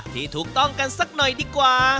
ที่ถูกต้องกันสักหน่อยดีกว่า